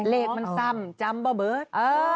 เลขมันซำจำเปล่าเบิร์ด